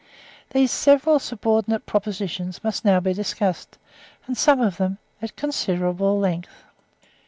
These several subordinate propositions must now be discussed, and some of them at considerable length.